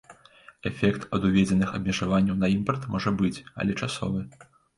Эфект ад уведзеных абмежаванняў на імпарт можа быць, але часовы.